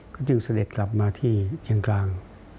ก็จึงเสด็จกลับมาที่เชียงกลาง